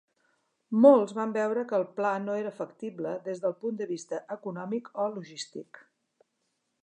Molts van veure que el pla no era factible des del punt de vista econòmic o logístic.